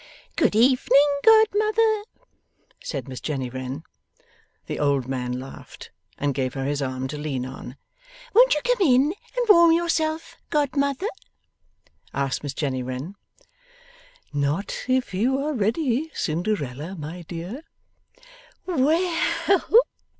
'Good evening, godmother!' said Miss Jenny Wren. The old man laughed, and gave her his arm to lean on. 'Won't you come in and warm yourself, godmother?' asked Miss Jenny Wren. 'Not if you are ready, Cinderella, my dear.' 'Well!